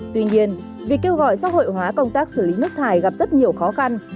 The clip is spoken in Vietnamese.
tuy nhiên việc kêu gọi xã hội hóa công tác xử lý nước thải gặp rất nhiều khó khăn